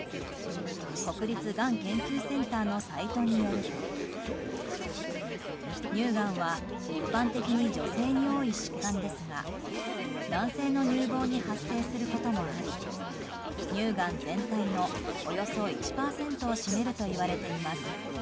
国立がん研究センターのサイトによると乳がんは一般的に女性に多い疾患ですが男性の乳房に発生することもあり乳がん全体のおよそ１％を占めるといわれています。